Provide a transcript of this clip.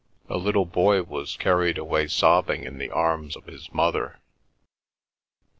A little boy was carried away sobbing in the arms of his mother.